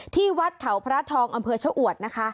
ที่วัดเขาพระทองอำเภอชะอวดนะคะ